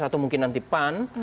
atau mungkinan tipan